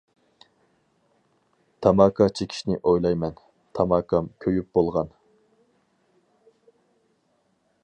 تاماكا چېكىشنى ئويلايمەن، تاماكام كۆيۈپ بولغان.